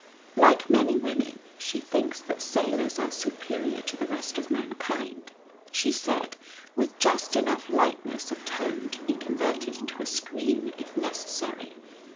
"Like many women, she thinks that sailors are superior to the rest of mankind," she said, with just enough lightness of tone to be converted into a screen if necessary.